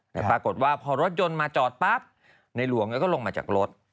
แต่ปรากฏว่าพอรถยนต์มาจอดปั๊บในหลวงก็ลงมาจากรถ